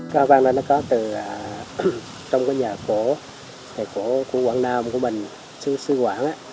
hoa văn này nó có từ trong cái nhà cổ nhà cổ của quảng nam của mình xứ quảng